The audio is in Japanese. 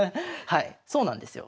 はいそうなんですよ。